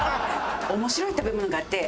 面白い食べ物があって。